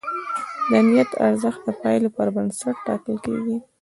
د نیت ارزښت د پایلو پر بنسټ ټاکل کېږي.